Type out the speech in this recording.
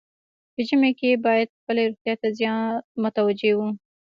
په ژمي کې باید خپلې روغتیا ته زیات متوجه وو.